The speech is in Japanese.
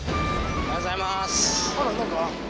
おはようございます。